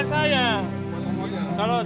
saya pakai sebagi